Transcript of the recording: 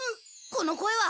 この声は。